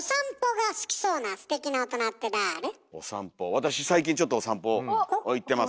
私最近ちょっとお散歩行ってます。